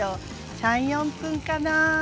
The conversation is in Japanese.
３４分かな。